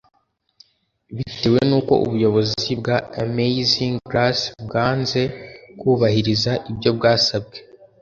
Bitewe n’uko ubuyobozi bwa Amazing Grace bwanze kubahiriza ibyo bwasabwe